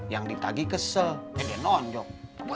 yang ditagi kesel eh dia nonjok